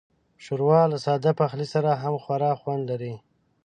ښوروا له ساده پخلي سره هم خورا خوند لري.